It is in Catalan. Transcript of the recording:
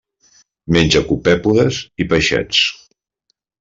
Menja copèpodes i peixets.